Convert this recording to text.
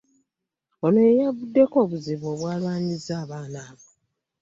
Oyo ye yavuddeko obuzibu obwalwanyizza abaana abo.